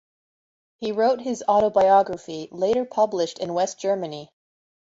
He wrote his autobiography, later published in West Germany.